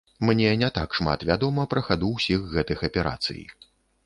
Мне не так шмат вядома пра хаду ўсіх гэтых аперацый.